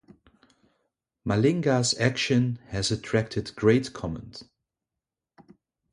Malinga's action has attracted great comment.